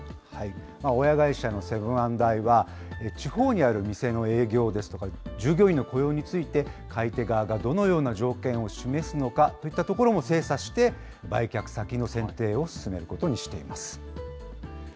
親会社のセブン＆アイは、地方にある店の営業ですとか、従業員の雇用について、買い手側がどのような条件を示すのかといったところも精査して売却先の選定を進めることにしています。